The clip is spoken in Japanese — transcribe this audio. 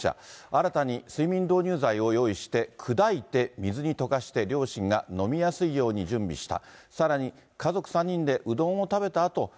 新たに睡眠導入剤を用意して、砕いて水に溶かして、両親が飲みやすいように準備した。